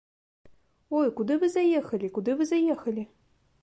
Ой, куды вы заехалі, куды вы заехалі?